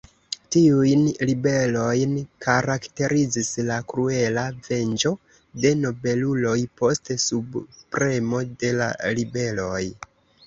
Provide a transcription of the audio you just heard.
Tiujn ribelojn karakterizis la kruela venĝo de nobeluloj post subpremo de la ribeloj.